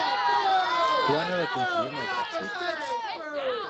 Quan ha d'acomplir amb el Brexit?